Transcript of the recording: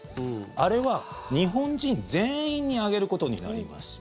あれは日本人全員にあげることになりました。